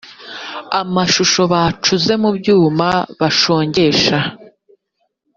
amashusho bacuze mu byuma bashongesha